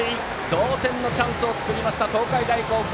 同点のチャンスを作った東海大甲府。